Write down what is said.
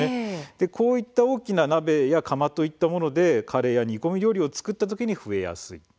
こういった大きな鍋や釜といったものでカレーや煮込み料理を作った時に増えやすい。